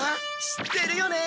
知ってるよね。